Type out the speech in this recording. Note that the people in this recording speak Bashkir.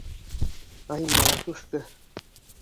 Ай, маладушка!